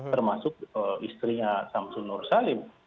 termasuk istrinya samsul nur salim